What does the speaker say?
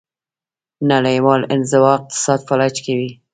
نړیوال انزوا اقتصاد فلج کوي.